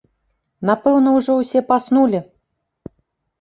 Напэўна ўжо ўсе паснулі.